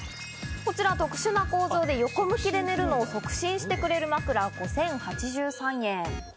こちら特殊な構造で横向きで寝るのを促進してくれる枕、５０８３円。